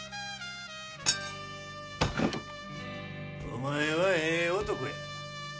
お前はええ男や。